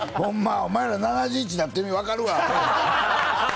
お前ら７１になってみ、分かるわ。